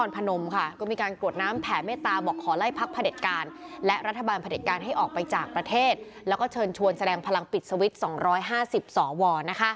ประเทศแล้วก็เชิญชวนแสดงพลังปิดสวิทย์สองร้อยห้าสิบสองวอร์นะคะ